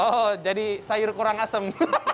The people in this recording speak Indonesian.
oh jadi sayur kurang asem